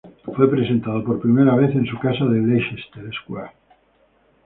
Fue presentado por primera vez en su casa de Leicester Square.